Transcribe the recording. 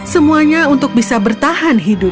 semuanya untuk bisa bertahan hidup